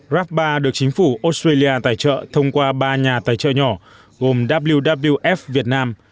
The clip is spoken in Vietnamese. raft ba được chính phủ australia tài trợ thông qua ba nhà tài trợ nhỏ gồm wwf việt nam